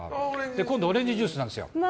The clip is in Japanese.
今度オレンジジュースなんですよ。